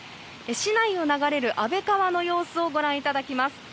市内を流れる安倍川の様子をご覧いただきます。